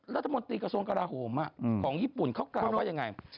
รัฐมนตรีกระทรวงกราโหมของญี่ปุ่นเขากล่าวว่ายังไง